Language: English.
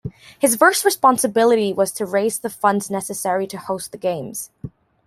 His first responsibility was to raise the funds necessary to host the Games.